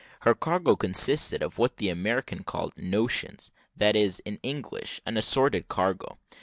Her cargo consisted of what the Americans called notions; that is, in English, an assorted cargo.